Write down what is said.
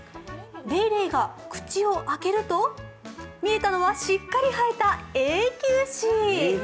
レイレイが口を開けると見えたのはしっかり生えた永久歯。